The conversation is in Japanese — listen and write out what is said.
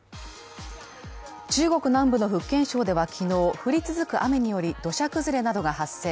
中国南部の福建省では昨日、降り続く雨により土砂崩れなどが発生。